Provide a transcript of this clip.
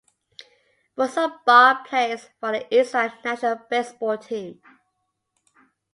Rosenbaum plays for the Israel National Baseball Team.